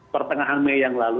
pertengahan mei yang lalu